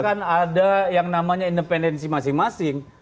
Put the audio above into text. ketika anda mengatakan ada yang namanya independensi masing masing